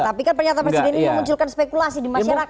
oke tapi kan pernyataan presiden ini yang munculkan spekulasi di masyarakat